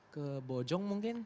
ke bojong mungkin